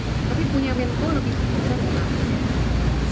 tapi punya menko lebih berani